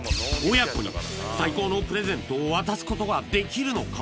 親子に最高のプレゼントを渡すことができるのか？